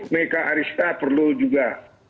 mereka aris azhar perlu juga